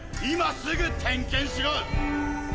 今すぐ点検しろ！